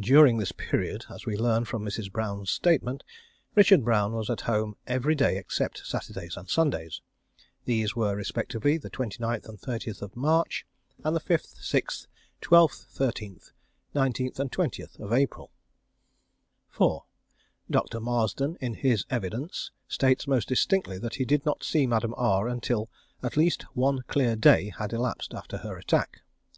During this period, as we learn from Mrs. Brown's statement, Richard Brown was at home every day except Saturdays and Sundays. These were respectively, 29th and 30th of March, and 5th, 6th, 12th, 13th, 19th, and 20th of April. 4. Dr. Marsden, in his evidence, states most distinctly that he did not see Madame R until at least "one clear day" had elapsed after her attack.